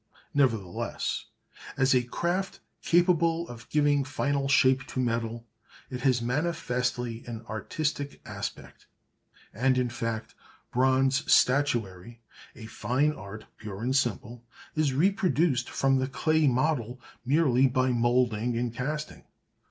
Nevertheless, as a craft capable of giving final shape to metal, it has manifestly an artistic aspect, and, in fact, bronze statuary, a fine art pure and simple, is reproduced from the clay model merely by moulding and casting.